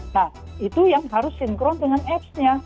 nah itu yang harus sinkron dengan appsnya